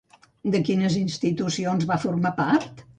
De quines institucions va formar part?